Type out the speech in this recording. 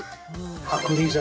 剥離剤。